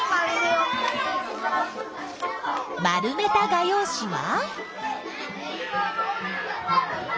丸めた画用紙は？